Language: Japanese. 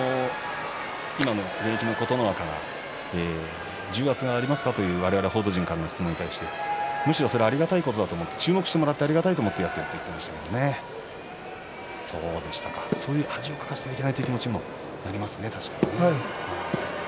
今の現役の琴ノ若が重圧がありますか、という我々報道陣からの質問に対してむしろそれはありがたいことだと思っている、注目してもらってありがたいと思ってやっていると言っていましたが恥をかかせてはいけないという気持ちも確かにありますね。